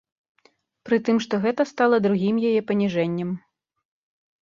Пры тым што гэта стала другім яе паніжэннем.